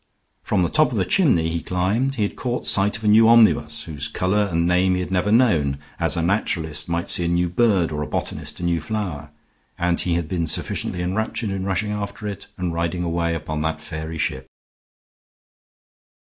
From the top of the chimney he climbed he had caught sight of a new omnibus, whose color and name he had never known, as a naturalist might see a new bird or a botanist a new flower. And he had been sufficiently enraptured in rushing after it, and riding away upon that fairy ship.